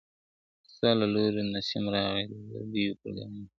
ستا له لوري نسیم راغی د زګېرویو په ګامونو `